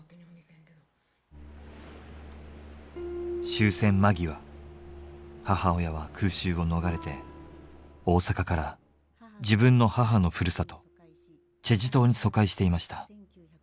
終戦間際母親は空襲を逃れて大阪から自分の母の故郷済州島に疎開していました。